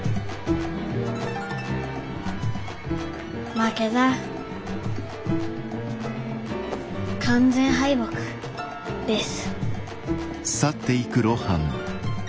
負けだ完全敗北です。